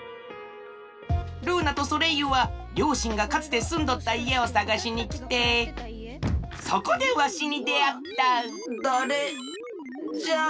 ルーナとソレイユはりょうしんがかつてすんどったいえをさがしにきてそこでわしにであっただれじゃ？